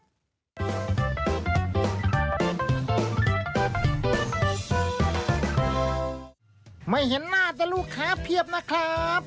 ไม่เห็นหน้าแต่ลูกค้าเพียบนะครับ